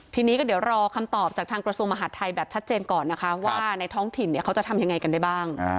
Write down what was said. ทีนี้ก็เดี๋ยวรอคำตอบจากทางกระทรวงมหาดไทยแบบชัดเจนก่อนนะคะว่าในท้องถิ่นเขาจะทำยังไงกันได้บ้าง